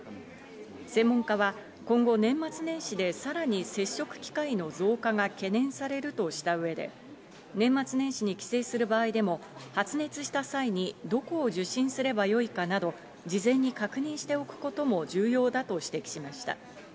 専門家は今後、年末年始でさらに接触機会の増加が懸念されるとした上で、年末年始に帰省する場合でも発熱した際にどこを受診すればよいかなど、事前に確認しておくことも重要だと指摘しました。